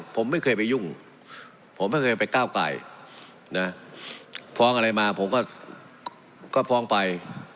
ผมไม่เคยไปยุ่งผมไม่เคยไปก้าวไก่นะฟ้องอะไรมาผมก็ฟ้องไป